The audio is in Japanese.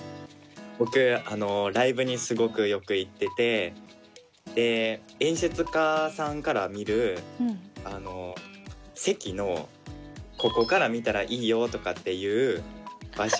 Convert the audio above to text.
僕ライブにすごくよく行ってて演出家さんから見る席のここから見たらいいよとかっていう場所ありますか？